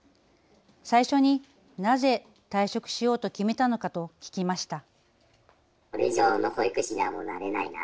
最初に、なぜ退職しようと決めたのかと聞きました。